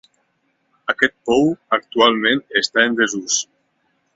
Aquest pou actualment està en desús.